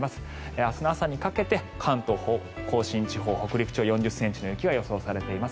明日の朝にかけて関東・甲信地方北陸地方４０ｃｍの雪が予想されています。